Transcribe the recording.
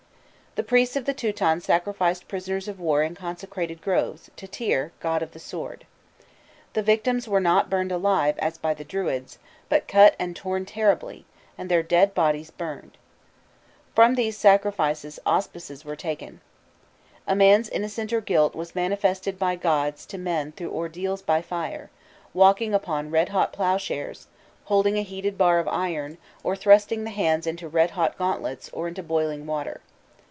The priests of the Teutons sacrificed prisoners of war in consecrated groves, to Tyr, god of the sword. The victims were not burned alive, as by the Druids, but cut and torn terribly, and their dead bodies burned. From these sacrifices auspices were taken. A man's innocence or guilt was manifested by gods to men through ordeals by fire; walking upon red hot ploughshares, holding a heated bar of iron, or thrusting the hands into red hot gauntlets, or into boiling water.